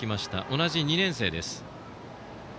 同じ２年生です。